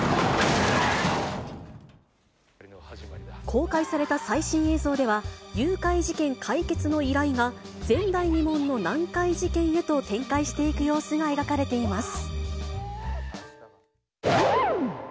公開された最新映像では、誘拐事件解決の依頼が、前代未聞の難解事件へと展開していく様子が描かれています。